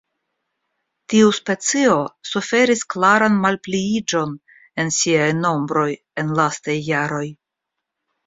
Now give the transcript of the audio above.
Tiu specio suferis klaran malpliiĝon en siaj nombroj en lastaj jaroj.